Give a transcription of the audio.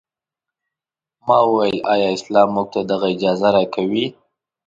ما وویل ایا اسلام موږ ته دغه اجازه راکوي.